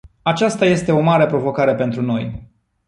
Aceasta este o mare provocare pentru noi.